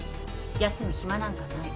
休む暇なんかない。